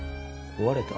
壊れた？